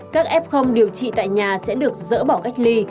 các f điều trị tại nhà sẽ được dỡ bỏ cách ly